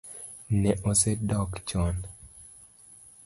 Ne osedok chon